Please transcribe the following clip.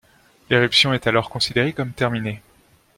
L'éruption est alors considérée comme terminée.